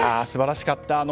素晴らしかった。